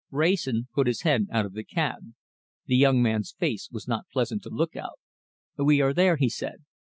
Wrayson put his head out of the cab. The young man's face was not pleasant to look at. "We are there," he said.